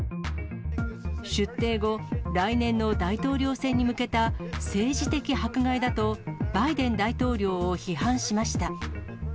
出廷後、来年の大統領選に向けた政治的迫害だと、バイデン大統領を批判しました。